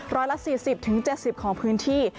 ร้อยละ๔๐๗๐ของพื้นที่